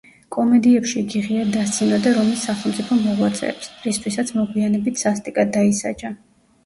კომედიებში იგი ღიად დასცინოდა რომის სახელმწიფო მოღვაწეებს, რისთვისაც მოგვიანებით სასტიკად დაისაჯა.